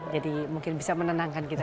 jadi mungkin bisa menenangkan juga ya